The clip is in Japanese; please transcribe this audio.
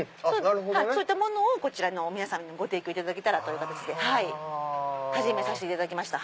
そういったものを皆さまにご提供できたらという形で始めさせていただきました。